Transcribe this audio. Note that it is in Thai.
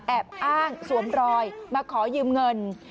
แอบอ้างสวมรอยมาขอยืมเงิน